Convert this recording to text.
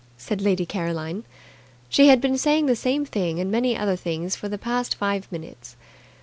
said Lady Caroline. She had been saying the same thing and many other things for the past five minutes.